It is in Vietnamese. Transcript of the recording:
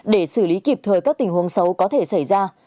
để xử lý kịp thời các tình huống xấu có thể xảy ra